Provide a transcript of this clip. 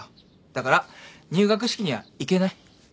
だから入学式には行けない。